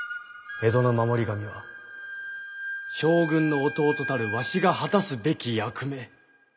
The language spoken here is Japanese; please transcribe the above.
江戸の守り神は将軍の弟たるわしが果たすべき役目。